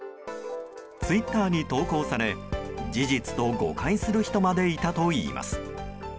ツイッターに投稿され事実と誤解する人までいたといいます。